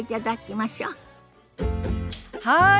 はい。